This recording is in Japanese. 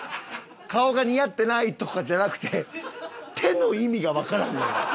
顔が似合ってないとかじゃなくて手の意味がわからんのよ。